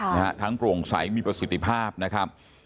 นะฮะทั้งโปร่งใสมีประสิทธิภาพนะครับ